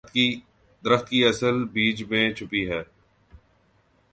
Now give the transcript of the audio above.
درخت کی اصل بیج میں چھپی ہے۔